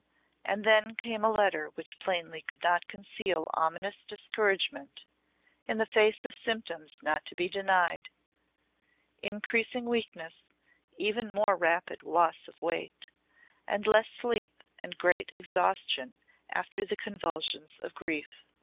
And then came a letter which plainly could not conceal ominous discouragement in the face of symptoms not to be denied increasing weakness, even more rapid loss of weight, and less sleep and great exhaustion after the convulsions of grief.